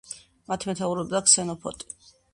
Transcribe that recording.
მათ მეთაურობდა ქსენოფონტი.